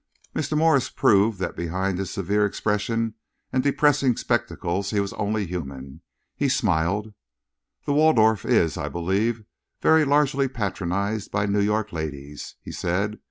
Mr. Morse proved that behind his severe expression and depressing spectacles he was only human. He smiled. "The Waldorf is, I believe, very largely patronised by New York ladies," he said.